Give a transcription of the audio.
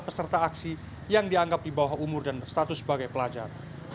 peserta aksi yang dianggap di bawah umur dan berstatus sebagai pelajar